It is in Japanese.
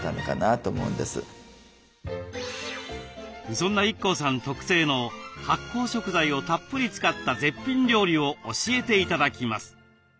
そんなＩＫＫＯさん特製の発酵食材をたっぷり使った絶品料理を教えて頂きます。